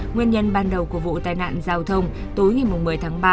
nguyên nhân ban đầu của vụ tai nạn giao thông tối ngày một mươi tháng ba